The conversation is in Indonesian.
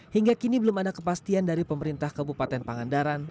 hingga kini belum ada kepastian dari pemerintah kabupaten pangandaran